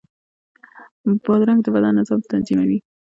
بادرنګ د بدن نظام تنظیموي.